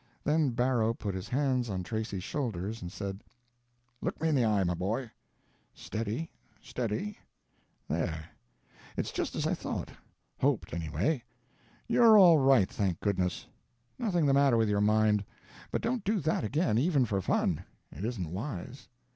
Then Barrow put his hands on Tracy's shoulders and said: "Look me in the eye, my boy. Steady, steady. There—it's just as I thought—hoped, anyway; you're all right, thank goodness. Nothing the matter with your mind. But don't do that again—even for fun. It isn't wise.